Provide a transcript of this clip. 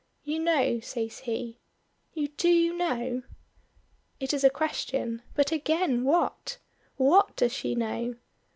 "You know," says he, "you do know?" It is a question; but again what? What does she know?